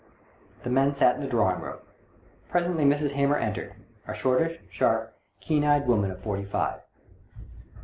The men sat in the drawing room. Presently Mrs. Hamer entered — a shortish, sharp, keen eyed woman of forty five.